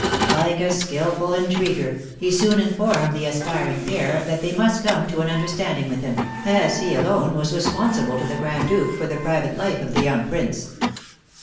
Like a skilful intriguer, he soon informed the aspiring pair that they must come to an understanding with him, as he alone was responsible to the Grand Duke for the private life of the young prince.